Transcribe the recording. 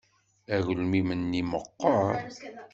Agelmim-nni meɣɣer.